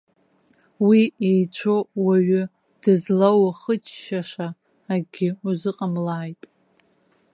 Уи иеицәоу уаҩы дызлаухыччаша акгьы узыҟамлааит.